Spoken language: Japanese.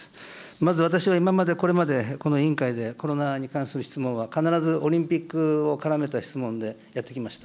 まず私が今まで、これまで、この委員会で、コロナに関する質問は、必ずオリンピックを絡めた質問でやってきました。